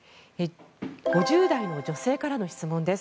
５０代女性からの質問です。